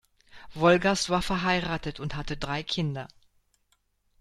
Wolgast war verheiratet und hatte drei Kinder.